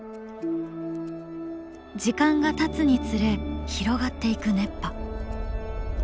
時間がたつにつれ広がっていく熱波。